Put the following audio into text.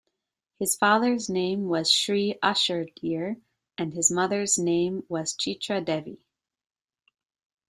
His father's name was Shri Ashudheer and his mother's name was Chitra Devi.